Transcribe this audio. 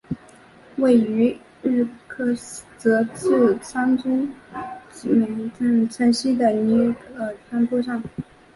位于日喀则市桑珠孜区城西的尼色日山坡上。